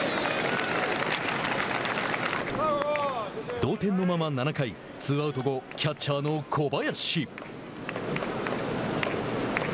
同点のまま、７回ツーアウト後キャッチャーの小林。